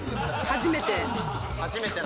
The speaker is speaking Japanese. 初めて。